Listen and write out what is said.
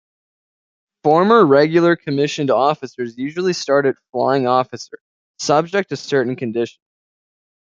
Former regular commissioned officers usually start at Flying Officer, subject to certain conditions.